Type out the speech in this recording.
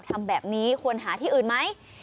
ทำแบบนี้ควรหาที่อื่นไหม